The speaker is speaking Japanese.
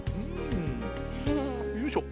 よいしょ。